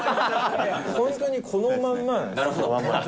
本当にこのまんま。